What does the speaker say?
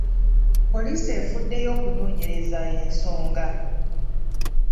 Poliisi efuddeyo okunoonyereza ensonga.